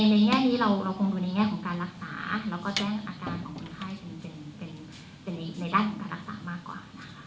ในแง่นี้เราคงดูในแง่ของการรักษาแล้วก็แจ้งอาการของคนไข้เป็นในด้านของการรักษามากกว่านะคะ